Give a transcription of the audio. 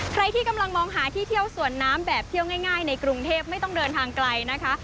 ใครที่กำลังมองหาที่เที่ยวสวนน้ำแบบเที่ยวง่ายในกรุงเทพไม่ต้องเดินทางไกลนะคะ